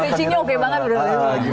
preachingnya oke banget